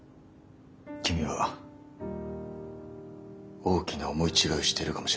君は大きな思い違いをしているかもしれない。